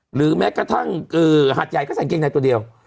หรือแม้กระทั่งหาดใหญ่ก็ใส่เกงในตัวเดียว